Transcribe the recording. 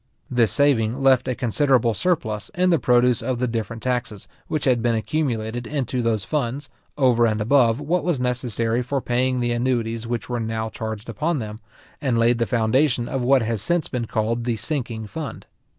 This saving left a considerable surplus in the produce of the different taxes which had been accumulated into those funds, over and above what was necessary for paying the annuities which were now charged upon them, and laid the foundation of what has since been called the sinking fund.